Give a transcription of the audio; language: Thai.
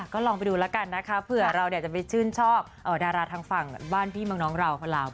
ก็ลองไปดูแล้วกันนะคะเผื่อเราจะไปชื่นชอบดาราทางฝั่งบ้านพี่เมืองน้องเราคนเรา